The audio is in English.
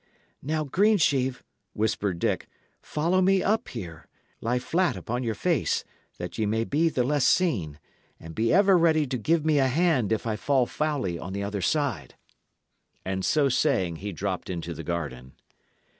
"Now, Greensheve," whispered Dick, "follow me up here; lie flat upon your face, that ye may be the less seen; and be ever ready to give me a hand if I fall foully on the other side." And so saying he dropped into the garden.